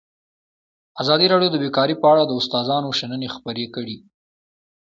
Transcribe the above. ازادي راډیو د بیکاري په اړه د استادانو شننې خپرې کړي.